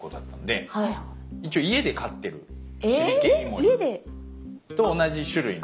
家で？と同じ種類の。